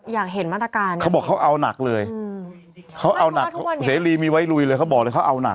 อยากเห็นมาตรการเขาบอกเขาเอาหนักเลยเขาเอาหนักเสรีมีไว้ลุยเลยเขาบอกเลยเขาเอาหนัก